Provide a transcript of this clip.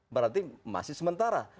berarti masih sementara